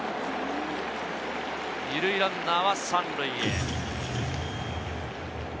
２塁ランナーは３塁へ。